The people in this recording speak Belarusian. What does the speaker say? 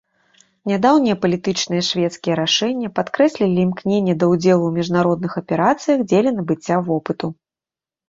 Нядаўнія палітычныя шведскія рашэння падкрэслілі імкненне да ўдзелу ў міжнародных аперацыях дзеля набыцця вопыту.